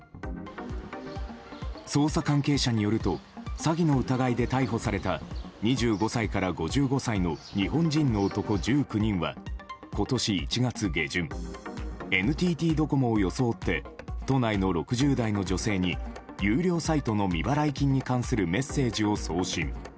捜査関係者によると詐欺の疑いで逮捕された２５歳から５５歳の日本人の男１９人は今年１月下旬ＮＴＴドコモを装って都内の６０代の女性に有料サイトの未払い金に関するメッセージを送信。